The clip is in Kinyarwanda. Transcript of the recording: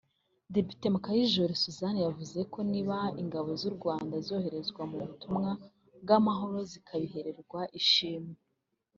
Depite Mukayijore Suzanne yavuze ko niba Ingabo z’u Rwanda zoherezwa mu butumwa bw’amahoro zikanabihererwa ishimwe